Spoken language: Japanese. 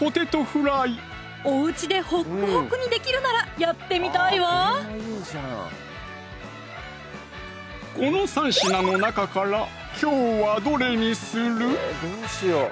おうちでほっくほくにできるならやってみたいわこの３品の中からきょうはどれにする？